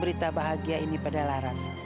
berita bahagia ini pada laras